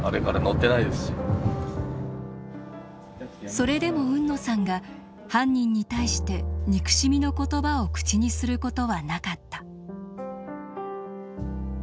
それでも海野さんが犯人に対して憎しみの言葉を口にすることはなかった。